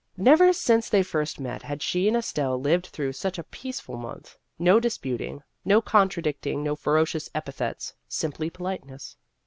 Never since they first met had she and Estelle lived through such a peaceful month no disputing, no contradicting, no ferocious epithets simply politeness.